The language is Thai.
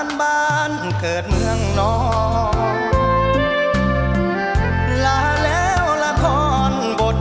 ช่วยฝังดินหรือกว่า